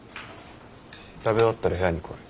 食べ終わったら部屋に来い。